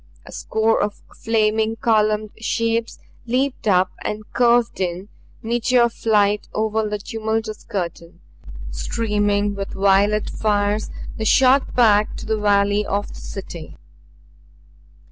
A score of flaming columned shapes leaped up and curved in meteor flight over the tumultuous curtain. Streaming with violet fires they shot back to the valley of the City.